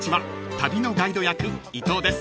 旅のガイド役伊藤です］